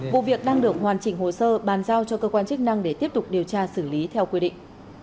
vụ việc đang được hoàn chỉnh hồ sơ bàn giao cho cơ quan chức năng để tiếp tục điều tra xử lý theo quy định